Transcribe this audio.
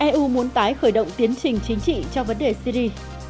eu muốn tái khởi động tiến trình chính trị cho vấn đề syri